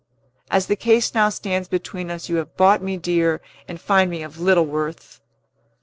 As the case now stands between us, you have bought me dear, and find me of little worth.